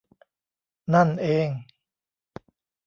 นั่นเอง